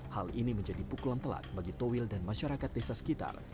hal ini menjadi pukulan telat bagi towil dan masyarakat desa sekitar